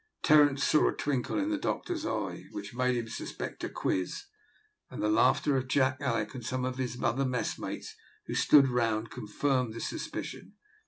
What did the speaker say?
Terence saw a twinkle in the doctor's eye, which made him suspect a quiz, and the laughter of Jack, Alick, and some of his other messmates who stood round, confirmed this suspicion.